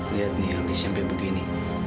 lihat nih habis sampai begini